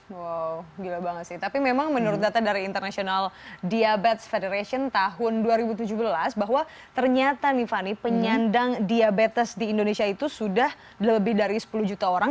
wow gila banget sih tapi memang menurut data dari international diabetes federation tahun dua ribu tujuh belas bahwa ternyata nih fani penyandang diabetes di indonesia itu sudah lebih dari sepuluh juta orang